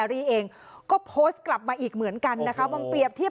ดึงทรีย์ให้ดึงนี่ไง